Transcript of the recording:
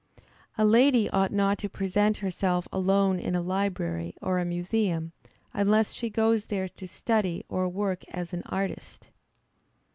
A lady ought not to present herself alone in a library, or a museum, unless she goes there to study or work as an artist.